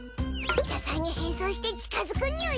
野菜に変装して近づくにゅい！